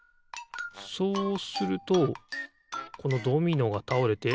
そうするとこのドミノがたおれて。